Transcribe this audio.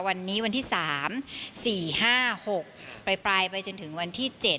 วันนี้วันที่๓๔๕๖ปลายไปจนถึงวันที่๗